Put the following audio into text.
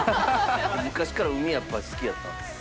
昔から海やっぱり好きやったんですか？